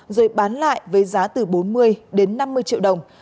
rồi bán lại với giá từ bốn mươi đến năm mươi triệu đồng